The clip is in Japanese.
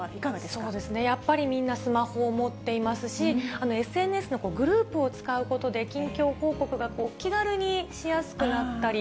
そうですね、やっぱりみんなスマホを持っていますし、ＳＮＳのグループを使うことで、近況報告が気軽にしやすくなったり。